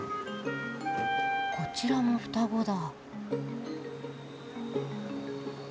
こちらも双子だ。